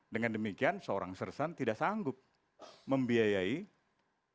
dengan demikian seorang sersan tidak sanggup membiayai enam bulan enam bulan